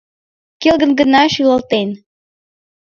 Келгын гына шӱлалтен.